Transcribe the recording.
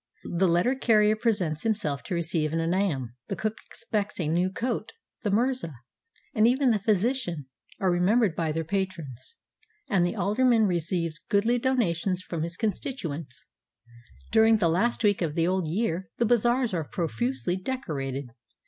The letter carrier presents him self to receive an anam; the cook expects a new coat; the mirza, and even the physician, are remembered by their patrons; and the alderman receives goodly donations from his constituents. During the last week of the old year the bazaars are profusely decorated.